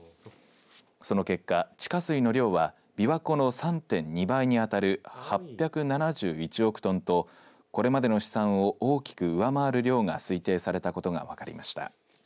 その結果、地下水の量はびわ湖の３．２倍にあたる８７１億トンとこれまでの試算を大きく上回る量が推定されたことが分かりました。